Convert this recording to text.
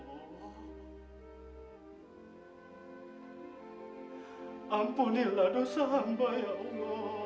ya allah ampunilah dosa hamba ya allah